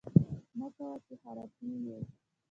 مکوه! چې خراپی یې